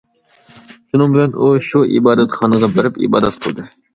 شۇنىڭ بىلەن ئۇ شۇ ئىبادەتخانىغا بېرىپ ئىبادەت قىلدى.